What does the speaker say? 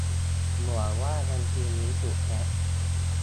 "เหมือนว่าบัญชีนี้ถูกแฮ็ก"